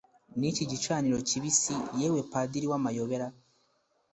niki gicaniro kibisi, yewe padiri w'amayobera,